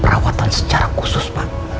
perawatan secara khusus pak